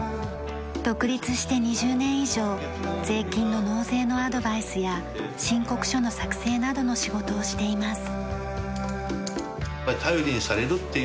独立して２０年以上税金の納税のアドバイスや申告書の作成などの仕事をしています。